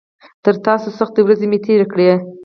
تر تاسو سختې ورځې مې تېرې کړي.